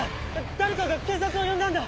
誰かが警察を呼んだんだ！